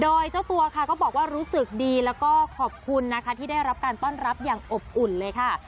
โดยเจ้าตัวค่ะก็บอกว่ารู้สึกดีแล้วก็ขอบคุณนะคะที่ได้รับการต้อนรับอย่างอบอุ่นเลยค่ะ